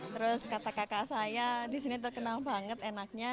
terus kata kakak saya disini terkenal banget enaknya